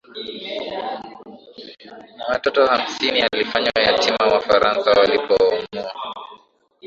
na watoto hamsini Alifanywa yatima wafaransa walipomuua